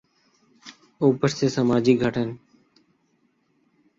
اوپر سے سماجی گھٹن۔